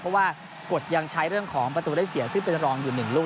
เพราะว่ากฎยังใช้เรื่องของประตูได้เสียซึ่งเป็นรองอยู่๑ลูก